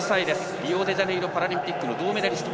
リオデジャネイロパラリンピックの銅メダリスト。